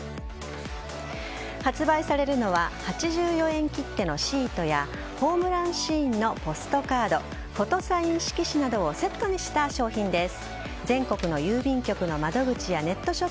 発売されるのは８４円切手のシートやホームランシーンのポストカードフォトサイン色紙などをセットにした商品です。